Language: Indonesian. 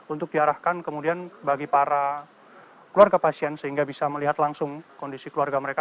untuk diarahkan kemudian bagi para keluarga pasien sehingga bisa melihat langsung kondisi keluarga mereka